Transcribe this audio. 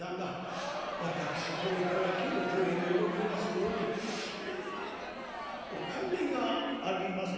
私これから京都へ戻りますのにお金がありません。